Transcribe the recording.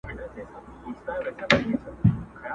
چي مي په سپینو کي یو څو وېښته لا تور پاته دي؛